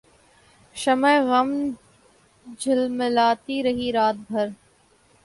شمع غم جھلملاتی رہی رات بھر